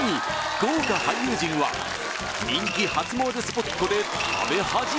豪華俳優陣は人気初詣スポットで食べはじめ